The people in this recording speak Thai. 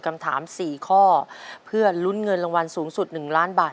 คำถาม๔ข้อเพื่อลุ้นเงินรางวัลสูงสุด๑ล้านบาท